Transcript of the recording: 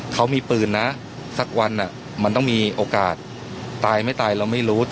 เขามีปืนนะสักวันมันต้องมีโอกาสตายไม่ตายเราไม่รู้